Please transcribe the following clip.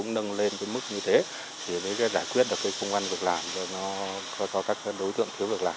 nâng mức từ năm mươi lên một trăm linh triệu đồng